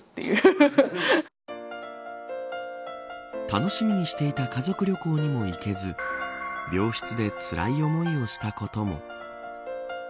楽しみにしていた家族旅行にも行けず病室でつらい思いをしたことも。